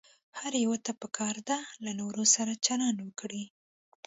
هر يوه ته پکار ده له نورو سره چلند وکړي.